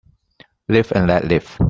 Live and let live.